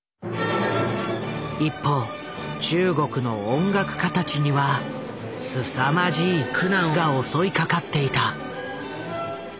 一方中国の音楽家たちにはすさまじい苦難が襲いかかっていた。